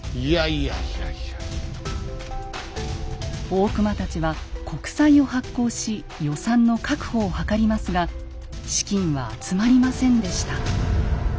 大隈たちは国債を発行し予算の確保を図りますが資金は集まりませんでした。